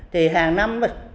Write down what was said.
thì hàng năm